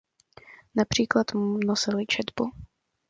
Například mu nosili četbu.